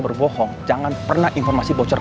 berbohong jangan pernah informasi bocor